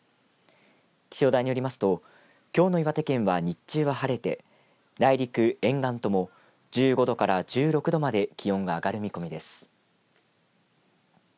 気象台によりますときょうの岩手県は日中は晴れて、内陸、沿岸とも１５度から１６度まで気温が上がる見込みです。